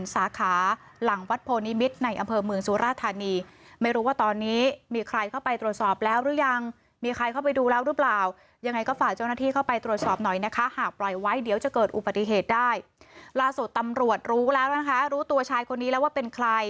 สาขารั่งวัดโพนิมิตรในอำเวอร์แมงสุราธันีย์ไม่รู้ว่าตอนนี้มีใครเข้าไปตรวจสอบแล้วรึยัง